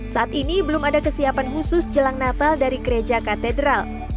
saat ini belum ada kesiapan khusus jelang natal dari gereja katedral